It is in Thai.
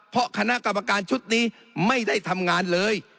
เพราะคณะกรรมการชุดนี้ไม่ได้ทำงานเลย